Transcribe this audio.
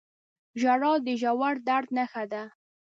• ژړا د ژور درد نښه ده.